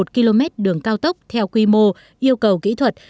một km đường cao tốc theo quy mô yêu cầu kỹ thuật